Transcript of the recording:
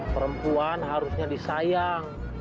perempuan harusnya disayang